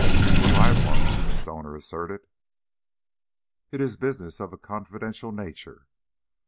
"We're live ones," Stoner asserted. "It is business of a confidential nature."